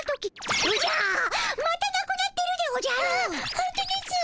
ほんとですぅ。